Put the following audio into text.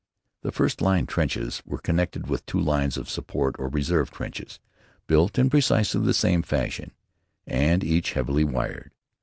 The first line trenches were connected with two lines of support or reserve trenches built in precisely the same fashion, and each heavily wired.